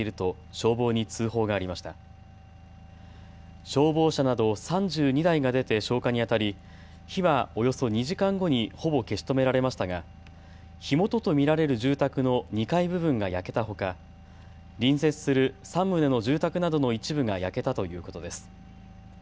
消防車など３２台が出て消火にあたり火はおよそ２時間後にほぼ消し止められましたが火元と見られる住宅の２階部分が焼けたほか隣接する３棟の住宅などの一部が焼けたということです。